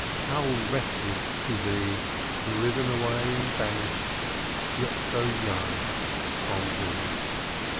How wretched to be Driven away and banished, Yet so young, from thee.